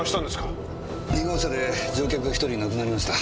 ２号車で乗客が１人亡くなりました。